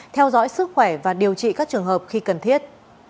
theo dõi sức khỏe và điều trị các trường hợp khi cần thiết